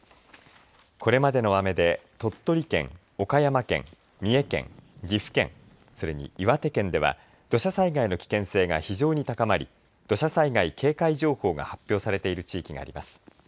これまでの雨で鳥取県、岡山県三重県、岐阜県それに岩手県では土砂災害の危険性が非常に高まり土砂災害警戒情報が発表されている地域があります。